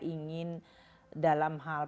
ingin dalam hal